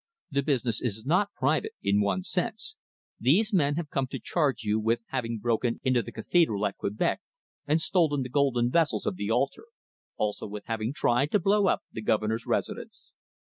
"The business is not private, in one sense. These men have come to charge you with having broken into the cathedral at Quebec and stolen the gold vessels of the altar; also with having tried to blow up the Governor's residence."